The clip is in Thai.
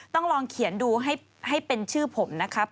ต้องลองเขียนดูให้เป็นชื่อผมนะครับ